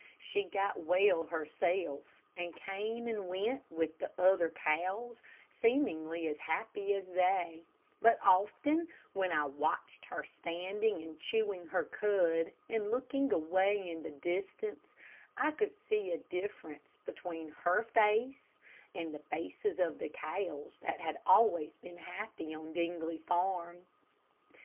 She got well herself, and came and went with the other cows, seemingly as happy as they, but often when I watched her standing chewing her cud, and looking away in the distance, I could see a difference between her face and the faces of the cows that had always been happy on Dingley Farm.